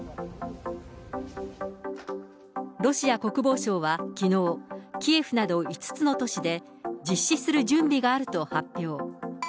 ロシア国防省はきのう、キエフなど５つの都市で、実施する準備があると発表。